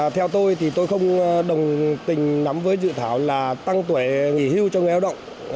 theo tôi thì tôi không đồng tình nắm với dự thảo là tăng tuổi nghỉ hưu cho người lao động